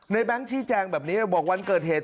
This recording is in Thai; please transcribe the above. แบงค์ชี้แจงแบบนี้บอกวันเกิดเหตุ